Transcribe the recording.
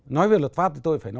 nói về luật pháp thì tôi phải nói là